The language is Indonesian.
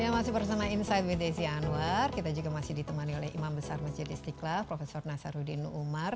ya masih bersama insight with desi anwar kita juga masih ditemani oleh imam besar masjid istiqlal prof nasaruddin umar